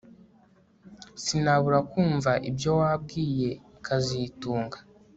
Sinabura kumva ibyo wabwiye kazitunga